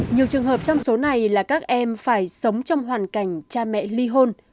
nhiều trường hợp trong số này là các em phải sống trong hoàn cảnh cha mẹ ly hôn